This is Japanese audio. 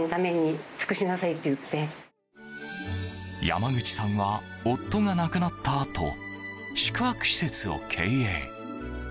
山口さんは夫が亡くなったあと宿泊施設を経営。